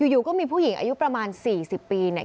อยู่ก็มีผู้หญิงอายุประมาณ๔๐ปีเนี่ย